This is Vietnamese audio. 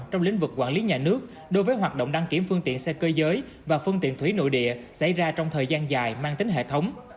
trong lĩnh vực quản lý nhà nước đối với hoạt động đăng kiểm phương tiện xe cơ giới và phương tiện thủy nội địa xảy ra trong thời gian dài mang tính hệ thống